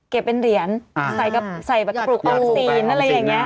เก็บเป็นเหรียญใส่ปลูกออกสีนอะไรอย่างนี้